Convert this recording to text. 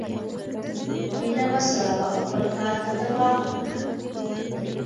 مینه مه سړوه او خپل کار ته دوام ورکړه.